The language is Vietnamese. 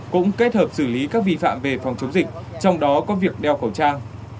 cũng kết hợp xử lý các vi phạm về phòng chống dịch trong đó có việc đeo khẩu trang